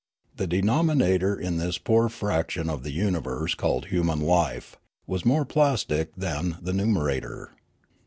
The denominator in this poor fraction of the universe called human life was more plastic than the numerator.